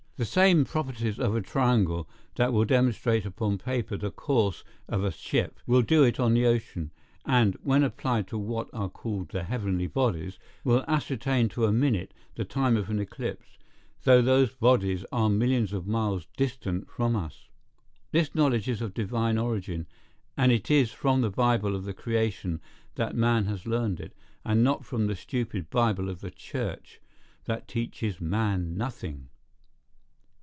The same properties of a triangle that will demonstrate upon paper the course of a ship, will do it on the ocean; and, when applied to what are called the heavenly bodies, will ascertain to a minute the time of an eclipse, though those bodies are millions of miles distant from us. This knowledge is of divine origin; and it is from the Bible of the creation that man has learned it, and not from the stupid Bible of the church, that teaches man nothing.